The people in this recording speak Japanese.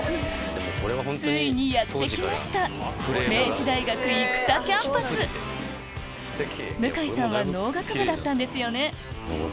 ついにやって来ました明治大学生田キャンパス向井さんは農学部だったんですよね